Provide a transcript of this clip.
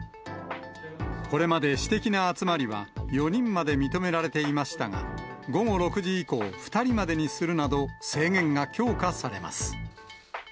これまで私的な集まりは４人まで認められていましたが、午後６時以降、２人までにするなど、制限が強化されます。